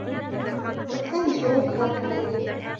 وَالثَّانِي شُرُوطُهَا فِي غَيْرِهِ